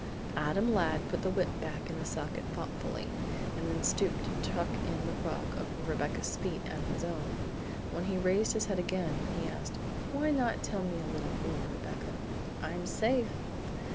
Adam Ladd put the whip back in the socket thoughtfully, and then stooped to tuck in the rug over Rebecca's feet and his own. When he raised his head again he asked: "Why not tell me a little more, Rebecca? I'm safe!"